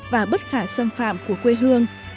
và bất khả xâm phạm của quê hương